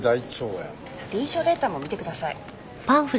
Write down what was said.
臨床データも見てください。